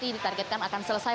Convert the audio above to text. yang ditargetkan akan selesai